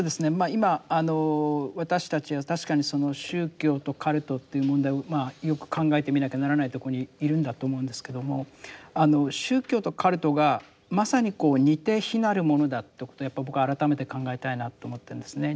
今あの私たちは確かに宗教とカルトという問題をよく考えてみなきゃならないとこにいるんだと思うんですけども宗教とカルトがまさにこう似て非なるものだってことやっぱ僕改めて考えたいなと思ってるんですね。